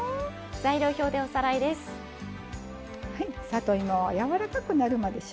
材料表でおさらいです。